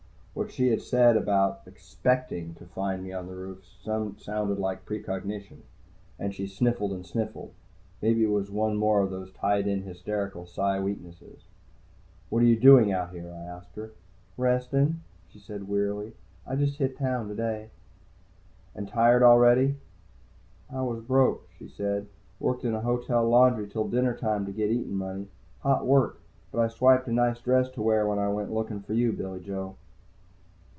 What she had said about expecting to find me on the roof sounded like precognition. And she sniffled and sniffled. Maybe it was one more of those tied in hysterical Psi weaknesses. "What are you doing out here?" I asked her. "Resting," she said wearily. "I just hit town today." "And tired already?" "I was broke," she said. "Worked in a hotel laundry till dinner time to get eatin' money. Hot work. But I swiped a nice dress to wear when I went looking for you, Billy Joe."